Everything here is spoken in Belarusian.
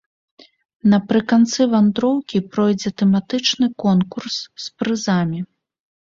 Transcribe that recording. Напрыканцы вандроўкі пройдзе тэматычны конкурс з прызамі.